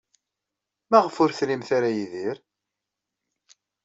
Maɣef ur trimt ara Yidir?